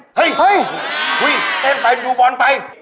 เฮ้ยเต้นไปดูบอลไป